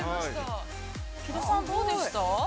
◆木戸さん、どうでしたか。